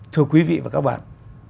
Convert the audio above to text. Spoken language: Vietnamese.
thưa quý vị và các bạn